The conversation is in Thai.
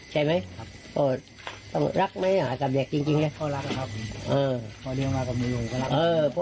ใช่ไหมต้องรักไหมกับเด็กจริงเนี่ย